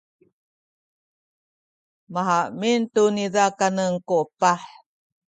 mahamin tu niza kanen ku epah.